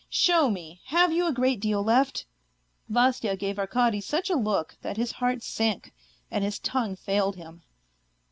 Show me, have you a great deal left ?" Vasya gave Arkady such a look that his heart sank, and his tongue failed him.